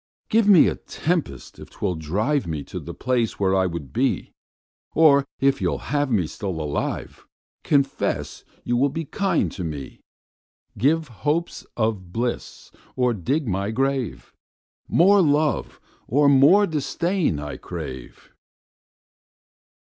Give me a tempest if 'twill drive Me to the place where I would be; Or if you'll have me still alive, Confess you will be kind to me. 10 Give hopes of bliss or dig my grave: More love or more disdain I crave.